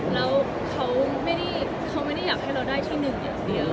แล้วเขาไม่ได้อยากให้เราได้ที่หนึ่งอย่างเดียว